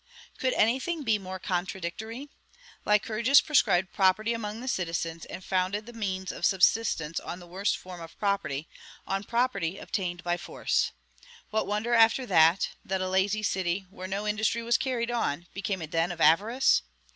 Could any thing be more contradictory? Lycurgus proscribed property among the citizens, and founded the means of subsistence on the worst form of property, on property obtained by force. What wonder, after that, that a lazy city, where no industry was carried on, became a den of avarice?